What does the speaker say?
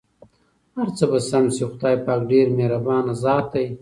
هرڅه به سم شې٬ خدای پاک ډېر مهربان ذات دی.